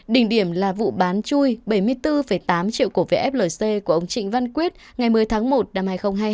đỉnh điểm là vụ bán chui bảy mươi bốn tám triệu cổ vẽ flc của ông trịnh văn quyết ngày một mươi tháng một năm hai nghìn hai mươi hai